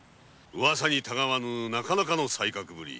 ウワサにたがわぬなかなかの才覚ぶり。